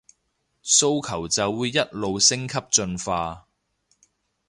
訴求就會一路升級進化